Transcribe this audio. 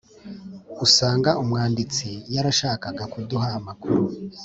usanga umwanditsiyarashakaga kuduha amakuru;